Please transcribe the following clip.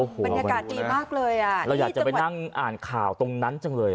บรรยากาศดีมากเลยอ่ะเราอยากจะไปนั่งอ่านข่าวตรงนั้นจังเลย